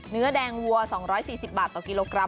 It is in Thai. เนื้อแดงวัว๒๔๐บาทต่อกิโลกรัม